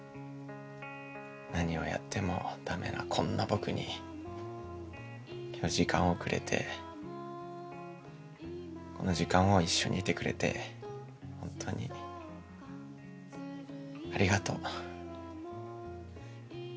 何をやっても駄目なこんな僕に今日時間をくれてこの時間を一緒にいてくれて本当にありがとう。